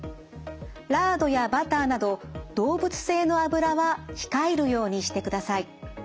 ラードやバターなど動物性の脂は控えるようにしてください。